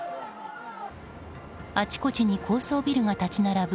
あちこちに高層ビルが立ち並ぶ